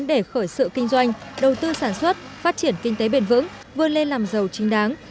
để khởi sự kinh doanh đầu tư sản xuất phát triển kinh tế bền vững vươn lên làm giàu chính đáng